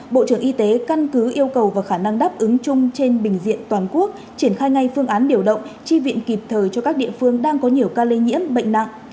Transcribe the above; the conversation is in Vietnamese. bộ trưởng y tế căn cứ yêu cầu và khả năng đáp ứng chung trên bình diện toàn quốc triển khai ngay phương án điều động chi viện kịp thời cho các địa phương đang có nhiều ca lây nhiễm bệnh nặng